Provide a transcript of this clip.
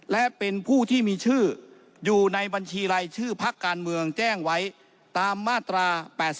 และเป็นผู้ที่มีชื่ออยู่ในบัญชีรายชื่อพักการเมืองแจ้งไว้ตามมาตรา๘๔